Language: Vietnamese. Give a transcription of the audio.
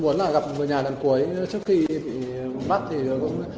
và gặp người nhà lần cuối trước khi bị bắt thì cũng